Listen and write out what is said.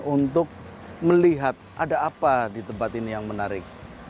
untuk melihat ada apa di tempat ini yang menarik